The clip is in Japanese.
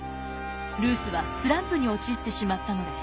ルースはスランプに陥ってしまったのです。